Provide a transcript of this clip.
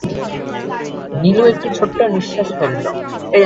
নীলু ছোট্ট একটা নিঃশ্বাস ফেলল।